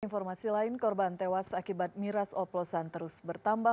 informasi lain korban tewas akibat miras oplosan terus bertambah